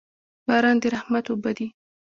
باران د رحمت اوبه دي.